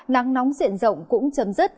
nắng nóng diện rộng cũng chấm dứt